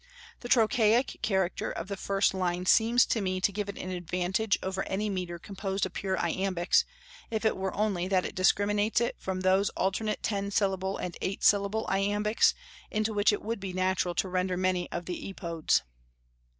The trochaic character of the first line seems to me to give it an advantage over any metre composed of pure iambics, if it were only that it discriminates it from those alternate ten syllable and eight syllable iambics into which it would be natural to render many of the Epodes.